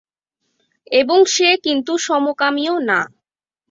এবং সে কিন্তু সমকামীও না।